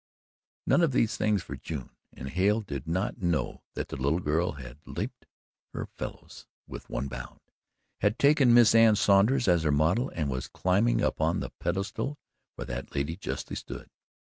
None of these things for June and Hale did not know that the little girl had leaped her fellows with one bound, had taken Miss Anne Saunders as her model and was climbing upon the pedestal where that lady justly stood.